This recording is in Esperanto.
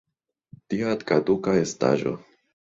Tia kaduka estaĵo!